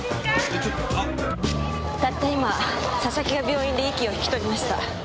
たった今佐々木が病院で息を引き取りました。